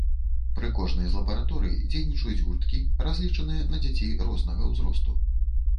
Пры кожнай з лабараторый дзейнічаюць гурткі, разлічаныя на дзяцей рознага ўзросту.